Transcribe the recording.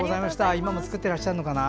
今も作っていらっしゃるのかな。